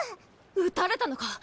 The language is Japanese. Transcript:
撃たれたのか？